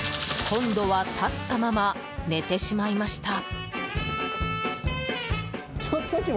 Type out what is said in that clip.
今度は立ったまま寝てしまいました。